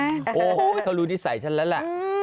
โอ้โหวเขารู้หนี้ใส่ฉันแล้วละ